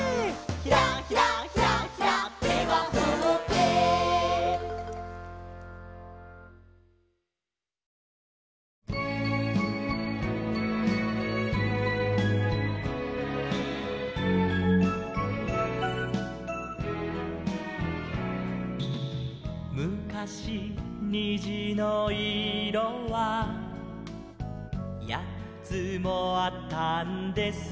「ひらひらひらひら」「手はほっぺ」「むかしにじのいろは８つもあったんです」